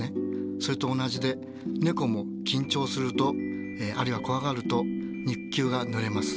それと同じでねこも緊張するとあるいは怖がると肉球がぬれます。